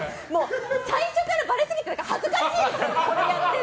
最初からばれすぎてて恥ずかしいんですよ！